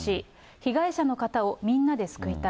被害者の方をみんなで救いたい。